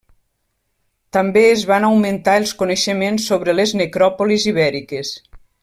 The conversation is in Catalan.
També es van augmentar els coneixements sobre les necròpolis ibèriques.